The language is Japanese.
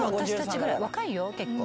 若いよ結構。